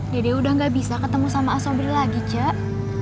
dede udah gak bisa ketemu sama asobri lagi cak